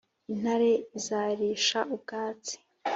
Intare izarisha ubwatsi